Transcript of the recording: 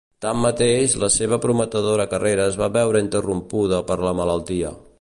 Tanmateix, la seva prometedora carrera es va veure interrompuda per la malaltia.